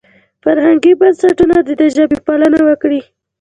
فرهنګي بنسټونه دې د ژبې پالنه وکړي.